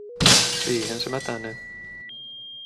Siihen se mätänee.